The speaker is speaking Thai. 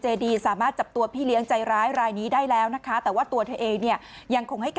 ดีสามารถจับตัวพี่เลี้ยงใจร้ายรายนี้ได้แล้วนะคะแต่ว่าตัวเธอเองเนี่ยยังคงให้การ